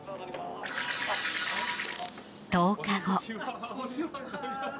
１０日後。